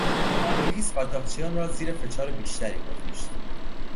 پلیس قاچاقچیان را زیر فشار بیشتری گذاشت.